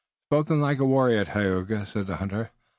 "Spoken like a warrior, Tayoga," said the hunter.